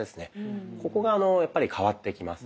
ここがやっぱり変わってきます。